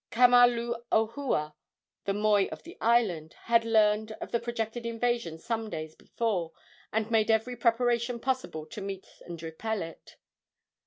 Kamaluohua, the moi of the island, had learned of the projected invasion some days before, and made every preparation possible to meet and repel it.